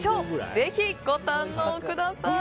ぜひご堪能ください。